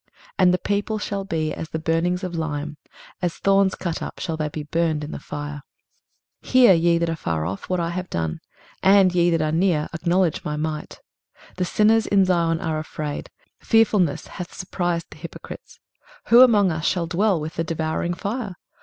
23:033:012 And the people shall be as the burnings of lime: as thorns cut up shall they be burned in the fire. 23:033:013 Hear, ye that are far off, what I have done; and, ye that are near, acknowledge my might. 23:033:014 The sinners in Zion are afraid; fearfulness hath surprised the hypocrites. Who among us shall dwell with the devouring fire?